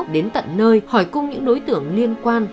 đến tận nơi hỏi cung những đối tượng liên quan